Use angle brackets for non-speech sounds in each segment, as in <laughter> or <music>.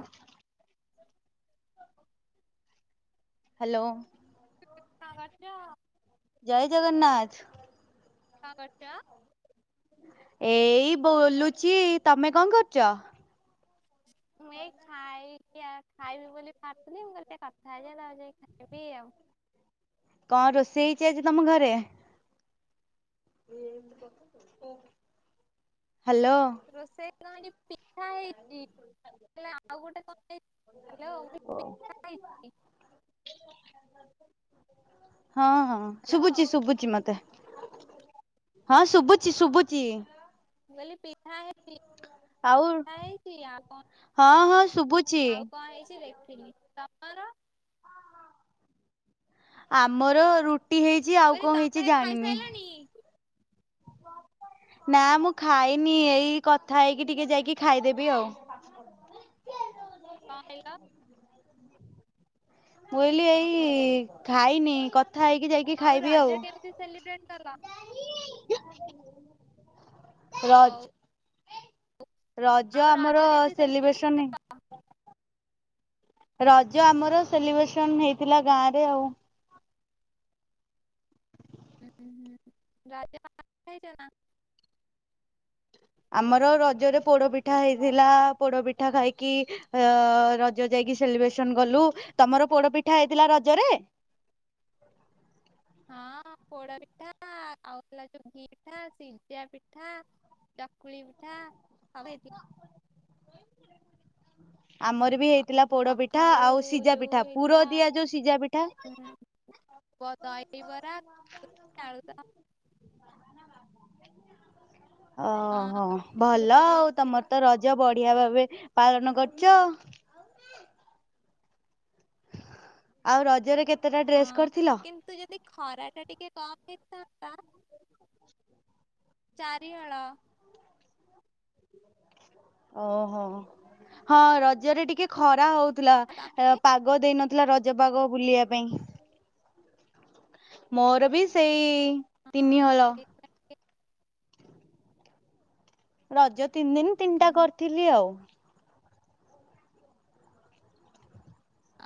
ହ। ହାଲୋ। କନ୍ କରୁଚ? ଜୟ ଜଗନ୍ନାଥ୍। କଣ୍ କରୁଚ? ଏଇ ବୋଲୁଚି -ତମେ କଣ କରୁଚ? ମୁଁ ଏଇ ଖାଇକି ଆ-ଖାଇବି ବୋଲି ବାହାରୁଥିଲି ମୁଁ କହିଲି ଟିକେ କଥା ହେଇଯାଏ ତାପରେ ଯାଇ ଖାଇବି ଆଉ। କଣ ରୋଷେଇ ହେଇଚି ଆଜି ତମ ଘରେ? ହାଲୋ। ରୋଷେଇ କଣ ହେଇଚି ପିଠା ହେଇଚି ହେଲେ ଆଉ ଗୋଟେ କଣ ହେଇଚି <unintelligible> ହଁ- ହଁ। ହ୍ୟାଲୋ ଶୁବୁଚି ମୁଁ ଶୁବୁଚି ମତେ ହଁ ଶୁବୁଚି ଶୁବୁଚି। ମୁଁ କହିଲି ପିଠା ହେଇଚି। ଆଉ ଠା ହେଇଚି ଆଉ କଣ ହଁ ହଁ ଶୁଭୁଛି। ଆଉ କଣ ହେଇଚି ଦେଖିନି। ତମର? ଆମର ରୁଟି ହେଇଚି ମୁଁ ଆଉ କହିଲି କଣ ହେଇଚି ତମେ ଜାଣିନି। ଖାଇସାରିଲଣି ନା ମୁଁ ଖାଇନି ଏଇ କଥା ହେଇକି ଟିକେ ଯାଇକି ଖାଇଦେବି ଆଉ। <unintelligible> କଣ୍ କହିଲ? ମୁଁ କହିଲି ଏଇ ହଁ। ଖାଇନି କଥା ହେଇକି ଯାଇକି ଆଉ ରଜ କେମିତି ସେଲିବ୍ରେଟ୍ କଲ? ହଉ ରଜ୍ ରଜ ଆଉ ଆମର କେମିତି ସେଲିବ୍ରେଟ ସେଲିବ୍ରେସନି ରଜ ଆମର ସେଲିବ୍ରେସନ୍ ହେଇଥିଲା ଗାଁରେ ଆଉ। ହୁଁ- ହୁଁ <inaudible> ହେଇଚି ନା। ଆମର ରଜରେ ପୋଡ ପିଠା ହେଇଥିଲା ପୋଡପିଠା ଖାଇକି ଅ- ରଜ ଯାଇକି ସେଲିବ୍ରେସନ୍ କଲୁ -ତମର ପୋଡ ପିଠା ହେଇଥିଲା ରଜରେ? ହଁ ପୋଡ ପିଠା ଆଉ ହେଲା ଯଉ ଘି ପିଠା, ସିଜା ପିଠା ଚକୁଳି ପିଠା ସବୁ ହେଇଥିଲା। ଆମର ବି ଆଉ ହେଇଥିଲା ପୋଡପିଠା ସକାଳୁ ଆଉ ସିଜା ଯୋଉ ପିଠା ହେଇଥିଲା ପୁର ଦିଆ ଯଉ ସିଜା ପିଠା <unintelligible> ବ-ଦହିବରା <unintelligible> ଆଳୁଦମ୍ ଓହୋ ପୁର ଭଲ ଦିଆ ଆଉ ସିଝା ତମର ପିଠା ତ ରଜ ବଢିଆ ଭାବେ ପାଳନ କରିଚ। ଆଉ ରଜରେ କେତ୍ ହଁ କିନ୍ତୁ ଯଦି ଖରା ଟା ଟିକେ କମ୍ ହେଇଥାନ୍ତା ଚାରି ହଳ। ଓହୋ ହଁ ରଜରେ ଟିକେ ଖରା ହଉଥିଲା ଅ- ଆଉ ପାଗ୍ ତାପରେ ପାଗ ଦେଇନଥିଲା ରଜ ପାଗ ବୁଲିବା ପାଇଁ। ମୋର ବି ସେଇ ହଁ ତିନିହଳ। ସେଇଥିପାଇଁ ଟିକେ ରଜ ତିନି ଦିନ୍ ତିନିଟା ଉଁ, କରିଥିଲି ଆଉ।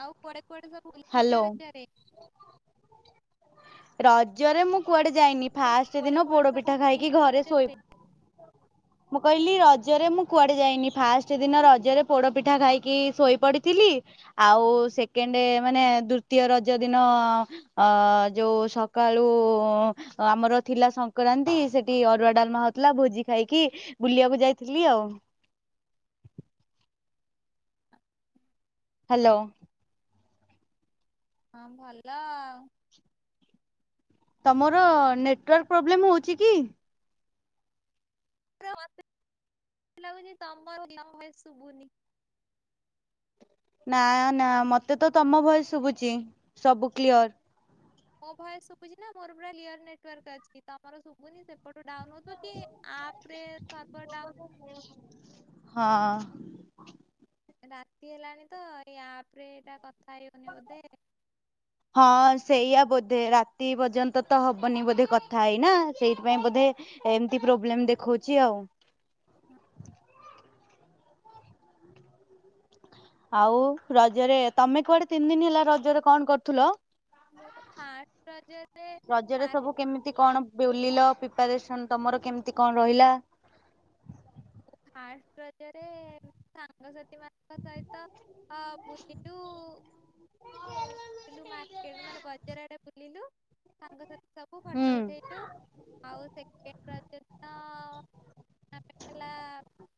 ଆଉ କୁଆଡେ କୁଆଡେ ସବୁ ବୁଲିଆକୁ? ହାଲୋ <unintelligible> ରଜରେ ମୁଁ କୁଆଡେ ଯାଇନି କହିଲି ଫାଷ୍ଟେ କୁଆଡେ ଦିନ କୁଆଡେ ପୋଡ ସବୁ ପିଠା ଖାଇକି ବୁଲିଛ ଘରେ ଶୋଇ ରଜରେ ମୁଁ କହିଲି ରଜରେ ମୁଁ କୁଆଡେ ଯାଇନି ଫାଷ୍ଟ ଦିନ ରଜରେ ପୋଡ ପିଠା ଖାଇକି ଶୋଇ ପଡିଥିଲି। ଆଉ ସେକେଣ୍ଡ ମାନେ ଦୂତୀୟ ରଜ ଦିନ ଅ ଯୋଉ ସକାଳୁ ଆମର ଥିଲା ସଂକ୍ରାନ୍ତି ସେଠି ଅରୁଆ ଡାଲମା ହଉଥିଲା ଭୋଜି ଖାଇକି ବୁଲିଆକୁ ଯାଇଥିଲି ଆଉ। ହାଲୋ। ହଁ ଭଲ ଆଉ। ତମର ନେଟୱାର୍କ ପ୍ରୋବେଲେମ ହଉଚି କି? ମତେ ଲାଗୁଚି ତମର <unintelligible> ତମ ଭଏସ ଶୁଭୁନି। ନା ନା ମତେ ତ ତମ ଭଏସ ଶୁବୁଚି ସବୁ କ୍ଲିଅର। ମୋ ଭଏସ ଶୁବୁଚି ନା ମୋର ପୁରା ଲିୟର ନେଟୱାର୍କ ଅଛି ତମର ଶୁଭୁନି ସେପଟୁ ଡାଉନ ହଉଥିବ। କି ଆପରେ ସର୍ବର ଡା ହଁ। ରାତି ହେଲାଣି ତ ଏଇ ଆପ ରେ ଏଇଟା କଥା ହେଇବନି ବୋଧେ? <inaudible> ହଁ ସେଇଆ ବୋଧେ ରାତି ପର୍ଯ୍ୟନ୍ତ ତ ହବନି ବୋଧେ କଥା ହେଇନା ସେଇଥିପାଇଁ ବୋଧେ ଏମିତି ପ୍ରୋବ୍ଲେମ ଦେଖଉଚି ଆଉ। ଆଉ ରଜରେ ତମେ କୁଆଡେ ତିନି ଦିନ ହେଲା ରଜରେ କଣ କରୁଥୁଲ? ମୁଁ ଫାଷ୍ଟ ରଜରେ ରଜରେ ସବୁ କେମିତି କଣ ବୁଲିଲ ପିପାରେସନ ତମର କେମିତି କଣ ରହିଲା? ଫାଷ୍ଟ ରଜରେ ସାଙ୍ଗସାଥୀ ମାନ ଙ୍କ ସହିତ ବୁଲିଲୁ ମାର୍କେଟ ମାନେ ବଜାରଆଡେ ବୁଲିଲୁ ସାଙ୍ଗସାଥି ସବୁ ହୁଁ ଫଟୋ ଉଠେଇଲୁ ଆଉ ସେକେଣ୍ଡ ରଜ ଦିନ ତାପରେ ହେଲା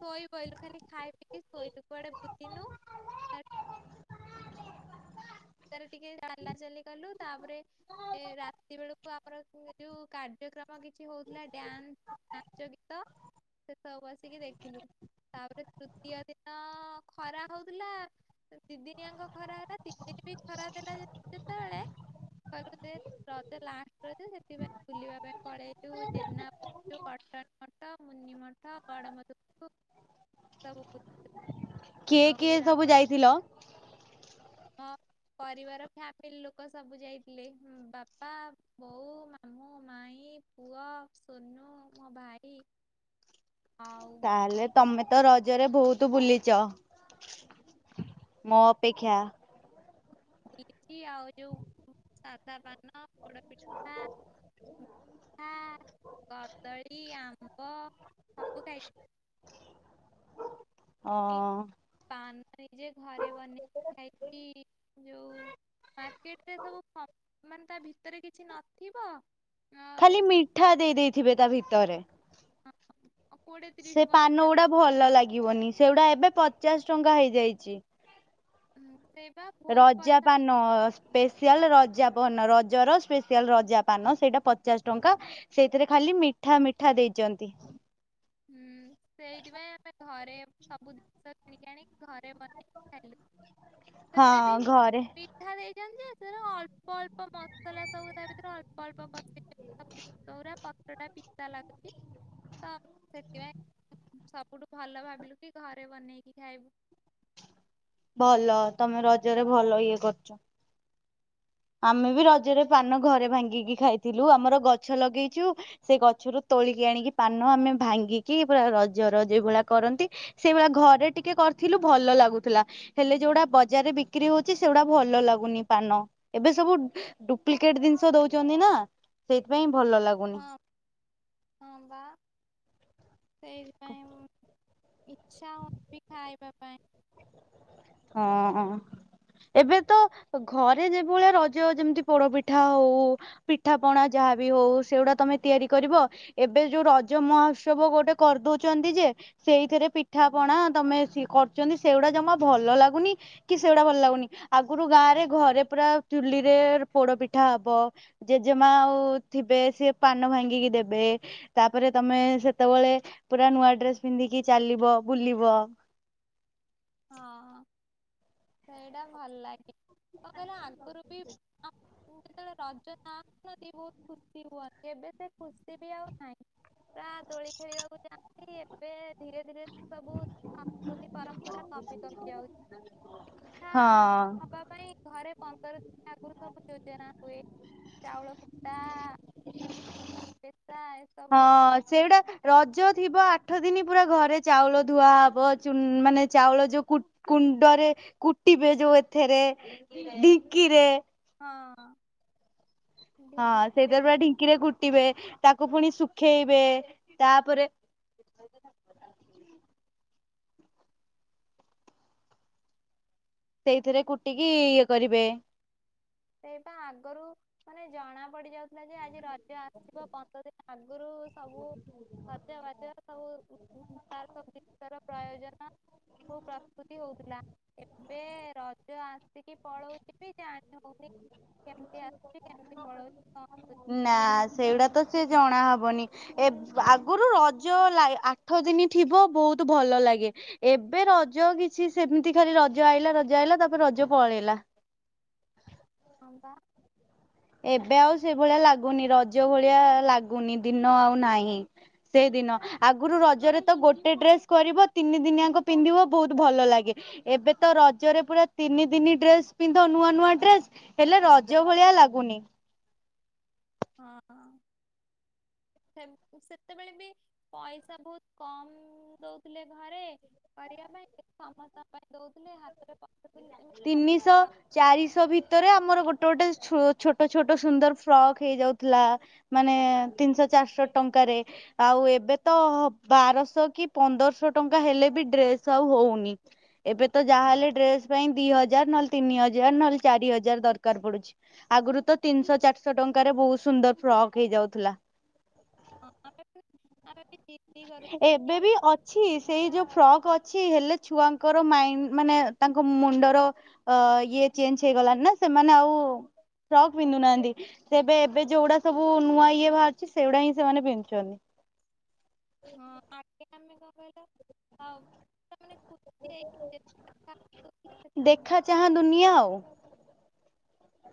ଶୋଇପଇଲୁ ଖାଲି ଖାଇ ପିଇିକି ଶୋଇଲୁ କୁଆଡେ ବୁଲିନୁ ପଦାରେ ଟିକେ ଚାଲା ଚାଲି କଲୁ ତାପରେ ଏ ରାତି ବେଳକୁ ଆମର ଯୋଉ କା କାର୍ଯ୍ୟକ୍ରମ କିଛି ହଉଥିଲା ଡ଼ାନ୍ସ ନାଚ, ଗୀତ ସେ ସବୁ ବସିକି ଦେଖିଲୁ। ତାପରେ ତୃତୀୟ ଦିନ ଖରା ହଉଥିଲା ଦିଦିଆଙ୍କ ଖରା ହେଲା ସେ ବି ଖରା ଦେଲା ଜେ ଯେତେବେଳେ ରଜ ଲାଷ୍ଟ ରଜ ସେଥିପାଇଁ ବୁଲିବା ପାଇଁ ପଳେଇଲୁ ଜେନା <unintelligible> ମଠ ମୁନି ମଠ ଗଡମଧୁପୂର୍ <unintelligible> କିଏ କିଏ ସବୁ ଯାଇଥିଲ? ହଁ। ପରିବାର ଫ୍ୟାମିଲି ଲୋକ ସବୁ ଯାଇଥିଲେ ବାପା, ବୋଉ, ମାମୁଁ, ମାଇଁ ପୁଅ, ସୋନୁ, ମୋ ଭାଇ <inaudible> ଆଉ ତାହେଲେ କେତେ ତମେ ତ ରଜରେ ବହୁତ ବୁଲିଚ। ମୋ ଦେଖିଆ। ବୁଲିଛି ଆଉ ଯୋଉ ସାଧା ପାନ, ପୋଡ ପିଠା ମିଠା, କଦଳୀ, ଆମ୍ବ ସବୁ ଖାଇଚି। ଅ ପୁଣି ପାନ ନିଜେ ଘରେ ବନେଇ ଖାଇଚି ଯୋଉ ମାର୍କେଟ ରେ ସବୁ ପ ମାନେ ତା ଭିତରେ କିଛି ନଥିବ ଆଉ ଖାଲି ମିଠା ଦେଇ ଦେଇେଥିବେ ତା ଭିତରେ। ହଁ ହଁ। ସେ ପାନ ଗୁଡା ଭଲ ଲାଗିବନି। ସେଗୁଡା ଏବେ ପଚାଶ ଟଙ୍କା ହେଇଯାଇଛି। ସେଇବା ବହୁତ ରଜା ପଇସା ପାନ ନ ସ୍ପେଶିଆଲ ରଜା ପାନ ରଜର ସ୍ପେସିଆଲ ରଜା ପାନ ସେଇଟା ପଚାଶ ଟଙ୍କା। ସେଇଥିରେ ଖାଲି ମିଠା ମିଠା ଦେଇଛନ୍ତି। ହୁଁ ସେଇଥିପାଇଁ ଆମେ ଘରେ ସବୁ ଜିନିଷ କିଣିକି ଆଣି ଘରେ ବନେଇକି ଖାଇଲୁ। ହଁ ଘରେ। ଯାହା ଦେଇଛନ୍ତି ଯେ ଅଳ୍ପ ଅଳ୍ପ ମସଲା ସବୁ ତା ଭିତରେ ଅଳ୍ପ ଅଳ୍ପ ପସି <unintelligible> ଶେଗୁରା ପତ୍ର ଟା ପିତା ଲାଗୁଚି। ତ ସେଥିପାଇଁ ସବୁଠୁ ଭଲ ଭାବିଲୁ କି ଘରେ ବନେଇକି ଖାଇବୁ। ଭଲ ତମେ ରଜରେ ଭଲ ଇଏ କରୁଛ। ଆମେ ବି ରଜରେ ପାନ ଘରେ ଭାଙ୍ଗିକି ଖାଇଥିଲୁ। ଆମର ଗଛ ଲଗେଇଛୁ। ସେ ଗଛରୁ ତୋଳିକି ଆଣିକି ପାନ ଆମେ ଭାଙ୍ଗିକି ପୁରା ରଜର ଯୋଉ ଭଳିଆ କରନ୍ତି ସେଇଭଳିଆ ଘରେ ଟିକେ କରିଥିଲୁ ଭଲ ଲାଗୁଥିଲା। ହେଲେ ଯୋଉଡା ବଜାରରେ ବିକ୍ରି ହଉଛି ସେଗୁଡା ଭଲ ଲାଗୁନି ପାନ। ଏବେ ସବୁ ଡୁପ୍ଲିକେଟ ଜିନିଷ ଦଉଛନ୍ତି ନା ସେଇଥିପାଇଁ ଭଲ ଲାଗୁ ହଁ ହଁ ବା ସେଇଥିପାଇଁ ଇଛା ହେଉନି ଖାଇବା ପାଇଁ। ହଁ। ଏବେ ତ ଘରେ ଯେ ଭଳିଆ ରଜ ଯେମିତି ପୋଡପିଠା ହଉ। ପିଠା ପଣା ଯାହାବି ହଉ ସେଗୁଡା ତମେ ତିଆରି କରିବ। ଏବେ ଯୋଉ ରଜ ମହୋତ୍ସବ ଗୋଟେ କରିଦଉଛନ୍ତି ଯେ ସେଇଥିରେ ପିଠା ପଣା ତମେ ବେସି କରୁଛନ୍ତି ସେଇଗୁଡା ଜମା ଭଲ ଲାଗୁନି। କି ସେଗୁଡା ଭଲ ଲାଗୁନି। ଆଗୁରୁ ଗାଁ ରେ ଘରେ ପୁରା ଚୁଲିରେ ପୋଡ ପିଠା ହବ। ଜେଜେମା ଆଉ ଥିବେ ସିଏ ପାନ ଭାଙ୍ଗିକି ଦେବେ। ତାପରେ ତମେ ସେତେବେଳେ ପୁରା ନୂଆ ଡ୍ରେସ ପିନ୍ଧିକି ଚାଲିବ ବୁଲିବ। ହଁ। ସେଇଟା ଭଲ ଲାଗେ। କଣ କହିଲେ ଆଣଗରୁ ବି <unintelligible> ମୁଁ ଯେତେବେଳେ ରଜ ମନାନ୍ତି ବହୁତ ଖୁସି ହୁଅନ୍ତି। ଏବେ ସେ ଖୁସି ବି ଆଉ ନାହିଁ। ଗାଁ ଦୋଳି ଖେଳିବାକୁ ଯାଆନ୍ତି। ଏବେ ଧୀରେ ଧୀରେ ସବୁ ସଂସ୍କୃତି ପରମ୍ପରା କମି କମି ଯାଉଛି। ହଁ। ପିଠାପାଇଁ ଘରେ ପନ୍ଦର ଦିନ ଆଗରୁ ସବୁ ଯୋଜନା ହୁଏ। ଚାଉଳ କୁଟା ପେସା ଏସବୁ। ତା ରଜ ଥିବ ଆଠ ଆଠ ଦିନ ପୁରା ଘରେ ଚାଉଳ ଧୁଆ ହେବ। ଚୁନ ମାନେ ଚାଉଳ ଯେଉଁ କୁ-କୁଣ୍ଡରେ କୁଟିବେ ଯୋଉ ଏଥେରେ ଢଙ୍କିରେ। ହଁ। ହଁ ଢିଙ୍କିରେ ସେଇଥିରେ ପୁରା ଢିଙ୍କିରେ କୁଟିବେ। ତାକୁ ପୁଣି ଶୁଖେଇବେ। ତାପରେ ସେଇଥିରେ କୁଟିକି ଇଏ କରିବେ। ସେଇପା ଆଗରୁ ମାନେ ଜଣା ପଡି ଯାଉଥିଲା ଯେ ଆଜି ରଜ ଆସିବ। ପନ୍ଦର ଦିନ ଆଗରୁ ସବୁ ସତବାଜ ସବୁ ତା ଭିତରେ ପ୍ରୟୋଜନ ସବୁ ପ୍ରସ୍ତୁତି ହଉଥିଲା। ଏବେ ରଜ ଆସିକି ପଳଉଛି ବି ଜାଣି ହୋଉ ନି କେମତି ଆସୁଛି କେମିତି ପଳଉଛି? କଣ ହଉଛି ନା ସେଇଗୁଡା ତ ସେ ଜଣାହବନି। ଏ ଆଗରୁ ରଜ ଆଠ ଦିନ ଥିବ ବହୁତ ଭଲ ଲାଗେ। ଏବେ ରଜ କିଛି ସେମିତି ଖାଲି ରଜ ଆଇଲା ରଜ ଆଇଲା ତାପରେ ରଜ ପଳେଇଲା। ହଁ ପା ଏବେ ଆଉ ସେଇଭଳିଆ ଲାଗୁନି ରଜ ଭଳିଆ ଲାଗୁନି ଦିନ ଆଉ ନାହିଁ। ସେଇଦିନ ଆଗରୁ ରଜରେ ତ ଗୋଟେ ଡ୍ରେସ କରିବ ତିନି ଦିନିଆଙ୍କ ପିନ୍ଧିବ ବହୁତ ଭଲ ଲାଗେ। ଏବେ ତ ରଜରେ ପୁରା ତିନି ଦିନି ଡ୍ରେସ ପିନ୍ଧ ନୂଆ ନୂଆ ଡ୍ରେସ। ହେଲେ ରଜ ଭଳିଆ ଲାଗୁନି। ହଁ ସେମେ ସେତେବେଳେ ବି ପଇସା ବହୁତ କମ ଦଉଥିଲେ ଘରେ। କରିବା ପାଇଁ ସମସ୍ତଙ୍କ ପାଇଁ ଦଉଥିଲେ ହାତରେ ପଥିଲେ। ତିନିଶହ ଚାରିଶହ ଭିତରେ ଆମର ଗୋଟେ ଗୋଟେ ଛୋଟ ଛୋଟ ସୁନ୍ଦର ଫ୍ରକ୍ ହେଇଯାଉଥିଲା। ମାନେ ତିନିଶହ ଚାରିଶହ ଟଙ୍କାରେ। ଆଉ ଏବେ ତ ବାରଶହ କି ପନ୍ଦରଶହ ଟଙ୍କା ହେଲେ ବି ଡ୍ରେସ ଆଉ ହଉନି। ଏବେ ତ ଯାହାହେଲେ ଡ୍ରେସ ପାଇଁ ଦି ହଜାର ନହେଲେ ତିନି ହଜାର ନହେଲେ ଚାରି ହଜାର ଦରକାର ପଡୁଛି। ଆଗରୁ ତ ତିନିଶହ ଚାରିଶହ ଟଙ୍କାରେ ବହୁତ ସୁନ୍ଦର ଫ୍ରକ୍ ହେଇଯାଉଥିଲା। ହଁ ଆମେ ବିଆମେ ବି <unintelligible> କରୁଥିଲେ କି ଏବେ ବି ଅ ଅଛି ସେଇ ଯୋଉ ଫ୍ରକ୍ ଅଛି ହେଲେ ଛୁଆଙ୍କର ମାଇଣ୍ଡ ମାନେ ତାଙ୍କ ମୁଣ୍ଡର ଅ ଇଏ ଚେଞ୍ଜ ହେଇଗଲାଣି ନା ସେମାନେ ଆଉ ଫ୍ରକ୍ ପିନ୍ଧୁନାହାନ୍ତି। ତବେ ଏବେ ଯୋଉଗଡା ସବୁ ନୂଆ ଇଏ ବାହାରୁିଛି ସେଇଗୁଡା ହିଁ ସେମାନେ ପିନ୍ଧୁଛନ୍ତି। ହଁ ଆଜି ଆମେ କଣ କହିଲ <unintelligible> ଖୁସି ହେଇକି ଦେଖା ଚାହଁ ଦୁନିଆ ଆଉ।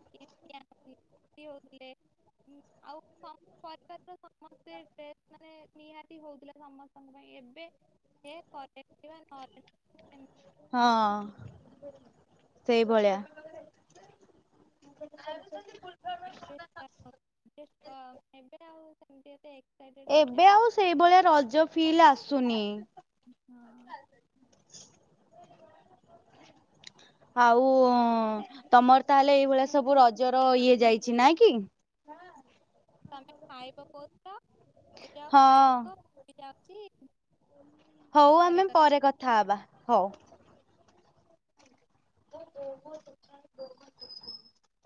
<inaudible> <inaudible> ପରିବାରର ସମସ୍ତେ <unintelligible> ମାନେ ନିହାତି ହଉଥିଲା ସମସ୍ତଙ୍କ ପାଇଁ। ଏବେ ହେ କଟେ କ <inaudible> ହଁ ସେଇଭଳିଆ। <inaudible> <inaudible> <unintelligible> କ ଏବେ ଆଉ ସେମତି ଏତେ ଏକ୍ସାଇଟେଡ୍ ଏବେ ଆଉ ସେଇଭଳିଆ ରଜ ଫିଲ୍ ଆସୁନି। ହଁ <inaudible> ଆଉ ତମର ତାହେଲେ ଏଇଭଳିଆ ସବୁ ରଜର ଇଏ ଯାଇଛି ନାଇଁ କି? ତମେ ଖାଇବ କୋଉତ ତ କ ଯ ହଁ ଖାଇବ ଯାଉଛି ହଉ ଆମେ ପରେ କଥା ହବା ହଉ। ତ ବହୁତା ବହୁ <inaudible>